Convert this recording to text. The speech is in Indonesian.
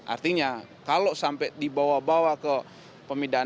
artinya kalau sampai dibawa bawa ke pemindahan